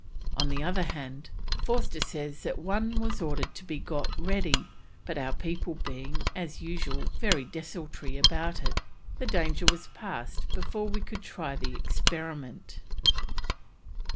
On the other hand, Forster says that one "was ordered to be got ready, but our people being, as usual, very desultory about it, the danger was passed before we could try the experiment."